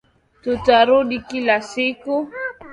Tutarudi kila siku